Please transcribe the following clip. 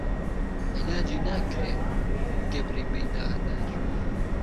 عیلاجی ناکرێ گهبری بهیداغدار